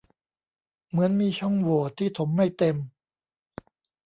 เหมือนมีช่องโหว่ที่ถมไม่เต็ม